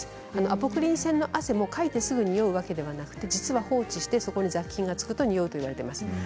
アポクリン腺の汗もすぐににおうわけではなく放置していた雑菌がつくとにおうといわれています。